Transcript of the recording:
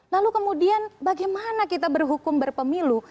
lalu kemudian bagaimana kita berhukum berpemilu